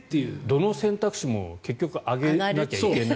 どの選択肢も結局上げなきゃいけない。